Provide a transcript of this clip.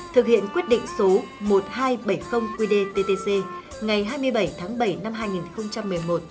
thực hiện quyết định số một nghìn hai trăm bảy mươi qdttc ngày hai mươi bảy tháng bảy năm hai nghìn một mươi một